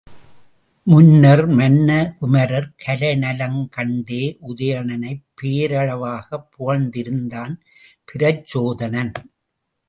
முன்னர், மன்ன குமரர் கலை நலங்கண்டே உதயணனைப் பேரளவாகப் புகழ்ந்திருந்தான் பிரச்சோதனன்.